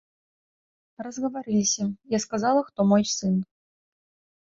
Разгаварыліся, я сказала, хто мой сын.